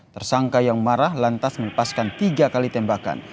tersangka yang marah lantas melepaskan tiga kali tembakan